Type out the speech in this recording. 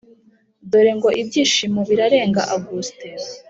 dore ngo ibyishimo birarenga august